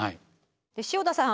塩田さん